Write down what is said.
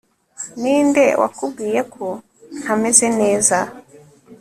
ninde wakubwiye ko ntameze neza